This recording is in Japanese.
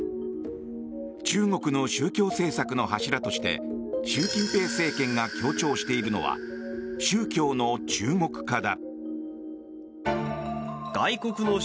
中国の宗教政策の柱として習近平政権が強調しているのは宗教の中国化だ。